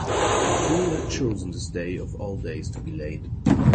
The fool had chosen this day of all days to be late.